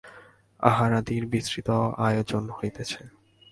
আহারাদির বিস্তৃত আয়োজন হইতেছে।